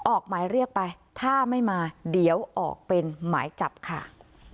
ออกหมายเรียกไปถ้าไม่มาเดี๋ยวออกเป็นหมายจับค่ะ